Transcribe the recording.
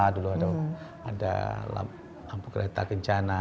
dulu ada lampu kereta kencana